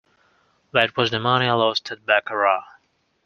That was the money I lost at baccarat.